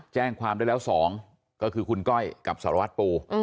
แจ้งความได้แล้ว๒ก็คือคุณก้อยกับสารวัตรปู